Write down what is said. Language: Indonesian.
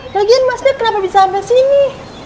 lagian mas dek kenapa bisa sampai sini